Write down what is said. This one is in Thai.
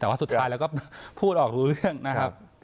แต่ว่าสุดท้ายเราก็พูดออกรู้เรื่องนะครับ